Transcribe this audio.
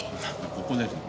ここですよ。